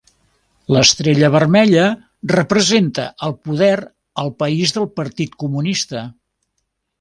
L'estrella vermella representa el poder al país del Partit Comunista.